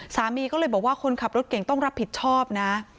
สามีก็เลยบอกว่าคนขับรถเก่งต้องรับผิดชอบนะ